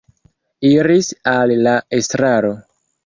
Iris al la estraro.